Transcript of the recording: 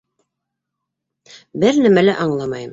Бер нәмә лә аңламайым!